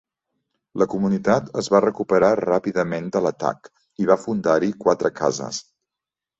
La comunitat es va recuperar ràpidament de l'atac i va fundar-hi quatre cases.